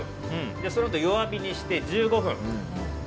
そのあと弱火にして１５分。